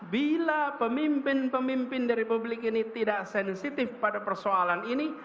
bila pemimpin pemimpin di republik ini tidak berpengaruh dengan kita